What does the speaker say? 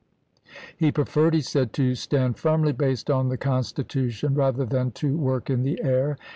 He preferred, he said, " to stand firmly based on the Constitution rather than to work in the air."